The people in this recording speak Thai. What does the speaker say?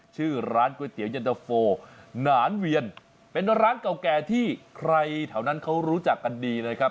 ชื่อร้านก๋วยเตี๋ยันตะโฟหนานเวียนเป็นร้านเก่าแก่ที่ใครแถวนั้นเขารู้จักกันดีนะครับ